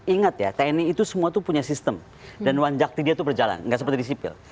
ingat ya tni itu semua punya sistem dan wanjaknya dia berjalan enggak seperti di sipil